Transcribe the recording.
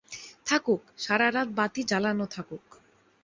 থাকুক, সারা রাত বাতি জ্বালানো থাকুক।